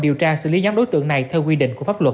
điều tra xử lý nhóm đối tượng này theo quy định của pháp luật